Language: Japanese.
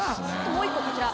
もう１個こちら。